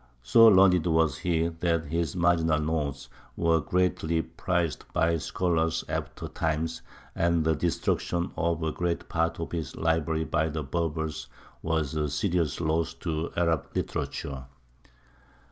So learned was he that his marginal notes were greatly prized by scholars of after times, and the destruction of a great part of his library by the Berbers was a serious loss to Arab literature.